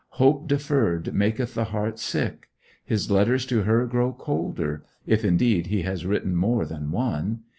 Hope deferred maketh the heart sick. His letters to her grow colder if indeed he has written more than one.